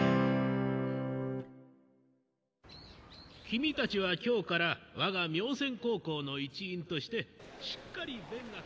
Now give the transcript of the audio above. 君たちは今日から我が明泉高校の一員としてしっかり勉学。